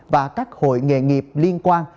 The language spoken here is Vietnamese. và các hội nghề nghiệp liên quan